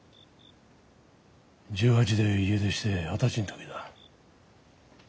１８で家出して二十歳の時だ。